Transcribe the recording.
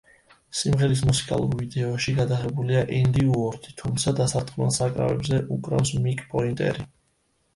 სიმღერის მუსიკალურ ვიდეოში გადაღებულია ენდი უორდი, თუმცა დასარტყმელ საკრავებზე უკრავს მიკ პოინტერი.